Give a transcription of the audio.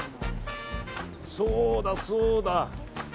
そうだ、そうだ。